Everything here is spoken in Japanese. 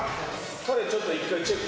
彼、ちょっと１回チェック。